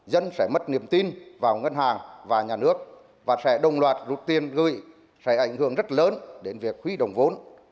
dân sẽ mất niềm tin vào ngân hàng và nhà nước và sẽ đồng loạt rút tiền gửi sẽ ảnh hưởng rất lớn đến việc huy động vốn